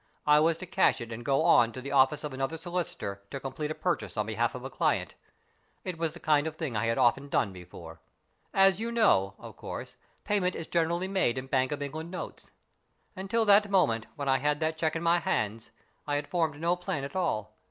I was to cash it and go on to the office of another solicitor to complete a purchase on behalf of a client. It was the kind of thing I had often done before. As you know, of course, payment is generally made in Bank of England notes. Until the moment when I had that cheque in my hands I had formed no plan at all.